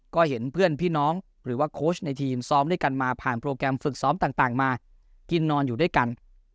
ก็เห็นเพื่อนพี่น้องหรือว่าโค้ชในทีมซ้อมด้วยกันมาผ่านโปรแกรมฝึกซ้อมต่างมากินนอนอยู่ด้วยกัน